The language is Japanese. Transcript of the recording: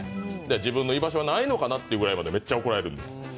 自分の居場所はないのかなというぐらいめっちゃ怒られるんです。